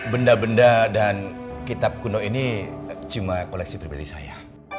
benda benda dan kitab kuno ini cuma koleksi pribadi saya